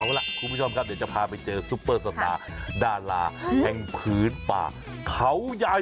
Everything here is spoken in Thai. เอาล่ะคุณผู้ชมครับเดี๋ยวจะพาไปเจอซุปเปอร์สตาร์ดาราแห่งพื้นป่าเขาใหญ่